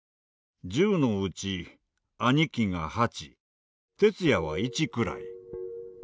１０のうち兄貴が８徹也は１くらい。